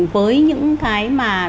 với những cái